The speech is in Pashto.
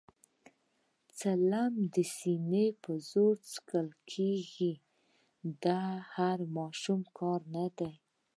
چلم د سینې په زور څکول کېږي، د هر ماشوم کار نه دی.